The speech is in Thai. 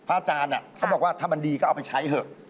อาจารย์เขาบอกว่าถ้ามันดีก็เอาไปใช้เถอะ